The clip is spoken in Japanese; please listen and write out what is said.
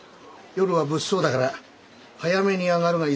夜は物騒だから早めに上がるがいいぜ。